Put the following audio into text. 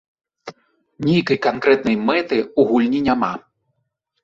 Нейкай канкрэтнай мэты ў гульні няма.